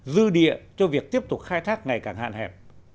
dư địa cho việc tiếp tục khai thác ngày càng hạn hẹp